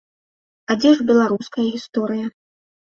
А дзе ж беларуская гісторыя?